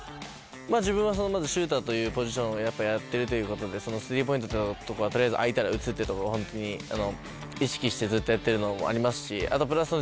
自分はまずシューターというポジションをやってるという事でスリーポイントのとこがとりあえず空いたら打つってとこは本当に意識してずっとやってるのもありますし。